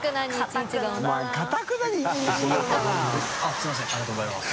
すみませんありがとうございます。